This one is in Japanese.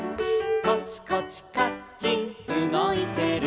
「コチコチカッチンうごいてる」